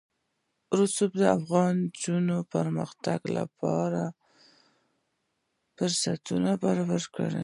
رسوب د افغان نجونو د پرمختګ لپاره فرصتونه برابروي.